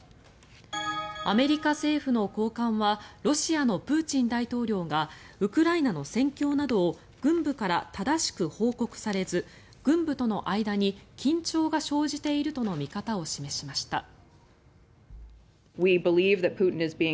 アメリカ政府の高官はロシアのプーチン大統領がウクライナの戦況などを軍部から正しく報告されず軍部との間に緊張が生じているとの見方を示しました。